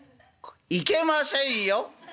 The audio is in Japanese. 「いけませんよ！